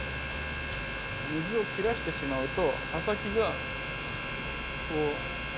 水を切らしてしまうと葉先がこう。